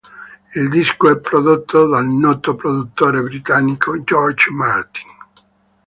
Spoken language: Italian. Il disco è prodotto dal noto produttore britannico George Martin.